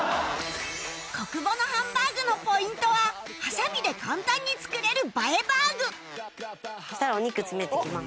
小久保のハンバーグのポイントはハサミで簡単に作れる映えバーグそしたらお肉詰めていきます。